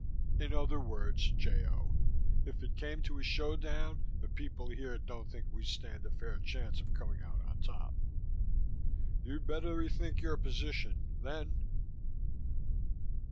In other words, J. O., if it came to a showdown the people here don't think we stand a fair chance of coming out on top. You'd better rethink your position, then....